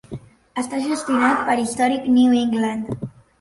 Està gestionat per Historic New England.